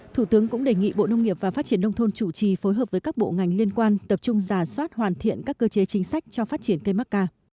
thủ tướng cũng đề nghị bộ nông nghiệp và phát triển nông thôn chủ trì phối hợp với các bộ ngành liên quan tập trung giả soát hoàn thiện các cơ chế chính sách cho phát triển cây mắc ca